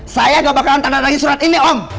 saya gak bakalan tandatangani surat ini om